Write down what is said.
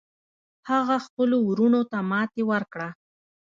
هغه خپلو وروڼو ته ماتې ورکړه.